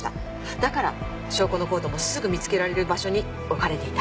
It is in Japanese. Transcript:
だから証拠のコートもすぐ見つけられる場所に置かれていた。